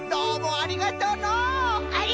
ありがとう！